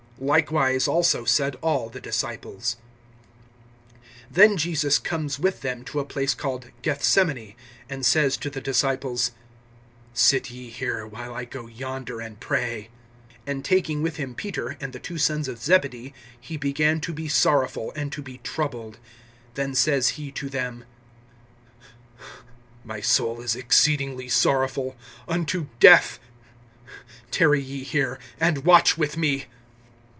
Likewise also said all the disciples. (36)Then Jesus comes with them to a place called Gethsemane, and says to the disciples: Sit ye here, while I go yonder and pray. (37)And taking with him Peter and the two sons of Zebedee, he began to be sorrowful, and to be troubled. (38)Then says he to them: My soul is exceedingly sorrowful, unto death. Tarry ye here, and watch with me.